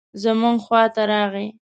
زموږ خواته راغی.